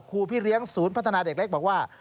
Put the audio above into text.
พี่เลี้ยงศูนย์พัฒนาเด็กเล็กบอกว่า